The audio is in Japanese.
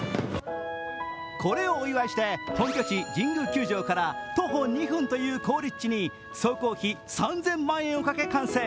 これをお祝いして本拠地・神宮球場から徒歩２分という好立地に総工費３０００万円をかけ完成。